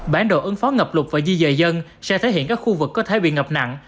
bản đồ ứng phó ngập lục và di dời dân sẽ thể hiện các khu vực có thể bị ngập nặng